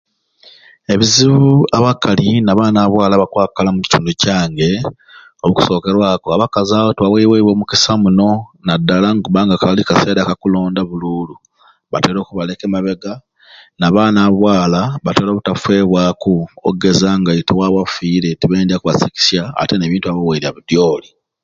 Ebizibu abakali n'abaana ba bwaala abakwakala omukitundu kyange okusookerwaku abakazi abo tibawebweibwe mukisa muno naddala nikubba nga kabaire kaseera ka kulonda buluulu batera okubaleka e mabega n'abaana ba bwaala batera obutafeebwaku oggeza nga oitowabwe afiire tibyendya kubasikisya ate n'ebintu babawerya bidyoli